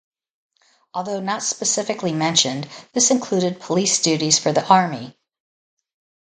Although not specifically mentioned, this included police duties for the army.